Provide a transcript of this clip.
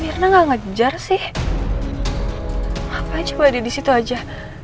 mirna gak ngejar sih apa aja badi disitu aja